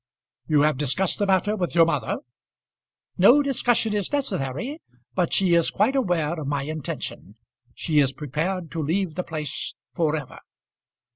"You have discussed the matter with your mother?" "No discussion is necessary, but she is quite aware of my intention. She is prepared to leave the place for ever."